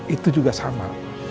itu juga sama